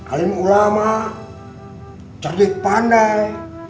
alim ulama cerdik pandai